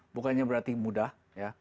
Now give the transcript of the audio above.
bukannya berarti mudah ya